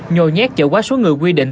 nhồi nhét chở qua số người quy định